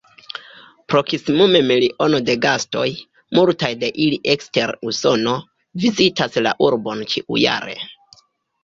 Proksimume miliono da gastoj, multaj de ili de ekster Usono, vizitas la urbon ĉiujare.